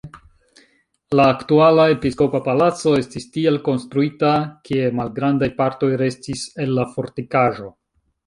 La aktuala episkopa palaco estis tiel konstruita, ke malgrandaj partoj restis el la fortikaĵo.